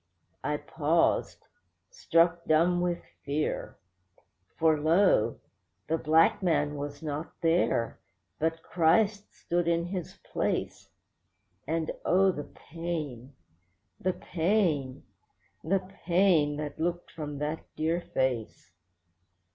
I paused, struck dumb with fear. For lo! the black man was not there, but Christ stood in his place; And oh! the pain, the pain, the pain that looked from that dear face.